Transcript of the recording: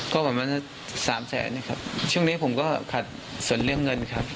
ก็ประมาณสักสามแสนนะครับช่วงนี้ผมก็ขัดส่วนเรื่องเงินครับ